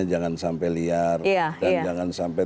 jangan sampai liar dan jangan sampai